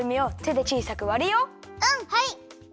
はい。